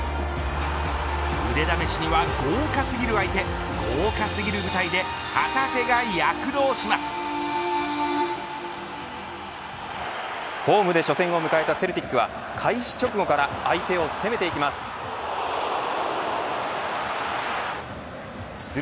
腕試しには豪華すぎる相手豪華すぎる舞台でホームで初戦を迎えたセルティックは開始直後から相手を攻めていきます。